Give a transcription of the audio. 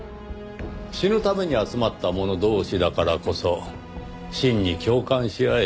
死ぬために集まった者同士だからこそ真に共感し合えた。